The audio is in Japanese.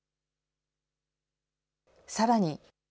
さらに。